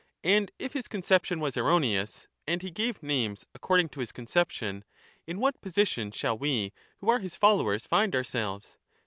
And if his conception was erroneous, and he gave names according to his conception, in what position shall we who are his followers find ourselves?